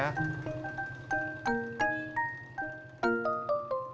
chang mau waris dia mau berubah itu